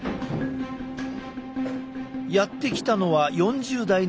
やって来たのは４０代の男性。